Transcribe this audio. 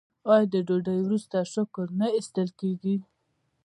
آیا د ډوډۍ وروسته شکر نه ایستل کیږي؟